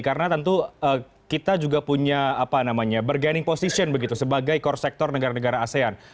karena tentu kita juga punya bergaining position begitu sebagai core sector negara negara asean